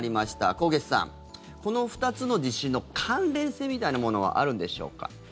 纐纈さん、この２つの地震の関連性みたいなものはあるんでしょうか？